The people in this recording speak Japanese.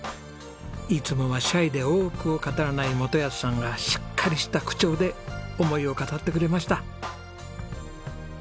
いつもはシャイで多くを語らない基保さんがしっかりした口調で思いを語ってくれました。